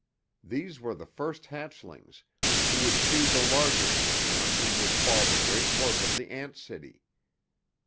These were the first hatchlings, who would feed the larger ants on whom would fall the great work of the ant city.